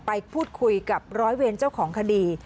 ไปพูดคุยกับร้อยเวรเจ้าของคดี